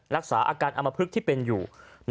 รักษาอาการอมพลึกที่เป็นอยู่